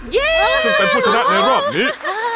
เย้อาาาา้าาต้องเป็นผู้ชนะในรอบนี้